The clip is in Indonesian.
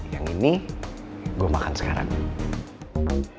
yang ini gue makan sekarang